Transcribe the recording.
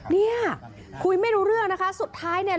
เนี่ยคุยไม่รู้เรื่องนะคะสุดท้ายเนี่ย